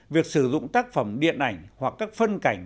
việc sử dụng tác phẩm điện ảnh hoặc các phân cảnh